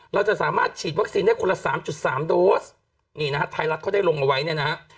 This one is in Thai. เราจะสามารถฉีดวัคซีนได้คนละสามจุดสามโดสนี่นะฮะไทยรัฐเขาได้ลงเอาไว้เนี่ยนะฮะ